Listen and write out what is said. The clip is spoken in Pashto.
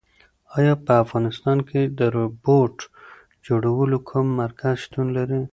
ایا په افغانستان کې د روبوټ جوړولو کوم مرکز شتون لري؟